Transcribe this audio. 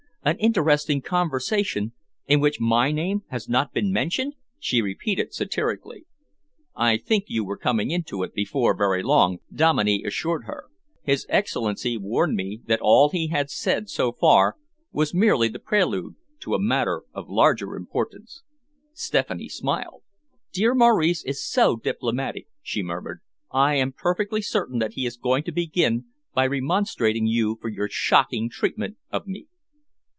"An interesting conversation in which my name has not been mentioned!" she repeated satirically. "I think you were coming into it before very long," Dominey assured her. "His Excellency warned me that all he had said so far was merely the prelude to a matter of larger importance." Stephanie smiled. "Dear Maurice is so diplomatic," she murmured. "I am perfectly certain he is going to begin by remonstrating you for your shocking treatment of me."